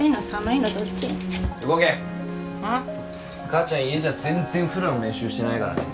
母ちゃん家じゃ全然フラの練習してないからね。